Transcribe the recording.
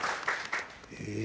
え！